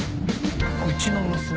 うちの娘？